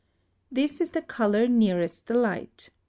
This is the colour nearest the light.